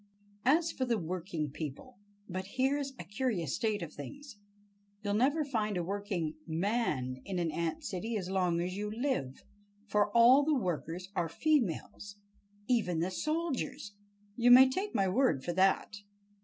As for the working people—But here's a curious state of things! You'll never find a working "man" in an ant city as long as you live, for all the workers are females, even the soldiers, you may take my word for that!